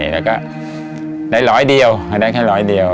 แล้วก็ได้ร้อยเดียวให้ได้แค่ร้อยเดียว